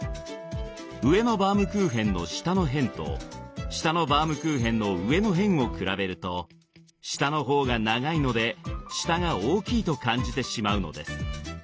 上のバームクーヘンの下の辺と下のバームクーヘンの上の辺を比べると下の方が長いので下が大きいと感じてしまうのです。